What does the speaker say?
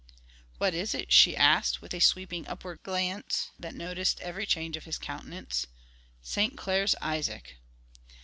"What is it?" she asked, with a sweeping upward glance that noted every change of his countenance. "St. Clair's Isaac."